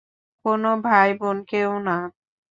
কোনো ভাই-বোনকেও না।